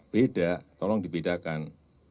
beda tolong dibedakan